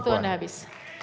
waktu sudah habis